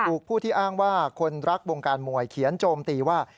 ผู้ที่อ้างว่าคนรักวงการมวยเขียนโจมตีว่า